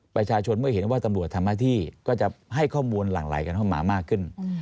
ประชาชนเมื่อเห็นว่าตำรวจทำหน้าที่ก็จะให้ข้อมูลหลั่งไหลกันเข้ามามากขึ้น